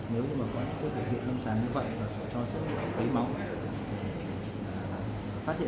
nếu mà có những bệnh viện nâng sản như vậy